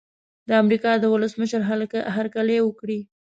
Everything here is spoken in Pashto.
د امریکا د ولسمشر هرکلی وکړي.